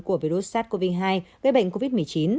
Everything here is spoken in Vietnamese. của virus sars cov hai gây bệnh covid một mươi chín